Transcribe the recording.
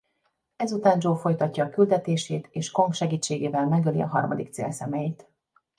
Ezután Joe folytatja a küldetését és Kong segítségével megöli a harmadik célszemélyt.